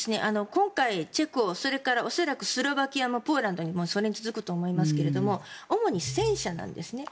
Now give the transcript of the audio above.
今回、チェコそれから恐らくスロバキアもポーランドもそれに続くと思いますが主に戦車なんですね。